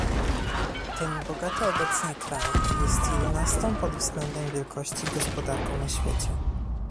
Ten bogaty obecnie kraj jest jedenastą pod względem wielkości gospodarką na świecie